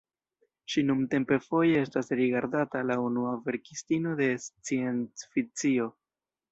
Ŝi nuntempe foje estas rigardata la unua verkistino de sciencfikcio.